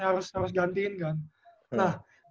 nah biasanya sebelum pertandingan quarter final